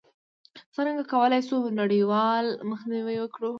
څرنګه کولای شو نړیوال مخنیوی وکړو؟